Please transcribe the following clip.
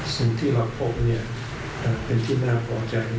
สิ่งที่เราพบเป็นที่น่าพอใจ